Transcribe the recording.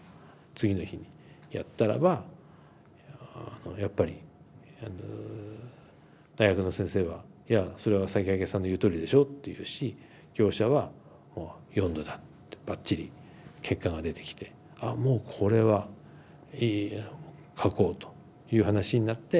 次の日やったらばやっぱり大学の先生は「いやそれは魁さんの言うとおりでしょ」って言うし業者は「４°だ」ってばっちり結果が出てきて「あもうこれはやろう書こう」という話になって。